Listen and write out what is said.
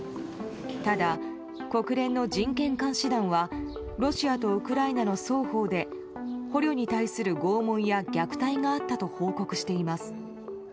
ただ、国連の人権監視団はロシアとウクライナの双方で捕虜に対する拷問や虐待があったと報告しています。